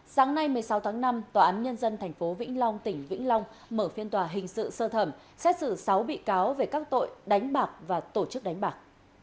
sáng nay một mươi sáu tháng năm tòa án nhân dân tp vĩnh long tỉnh vĩnh long mở phiên tòa hình sự sơ thẩm xét xử sáu bị cáo về các tội đánh bạc và tổ chức đánh bạc